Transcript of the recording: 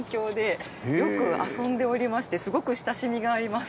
よく遊んでおりましてすごく親しみがあります。